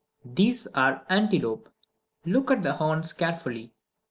These are antelope. Look at the horns carefully.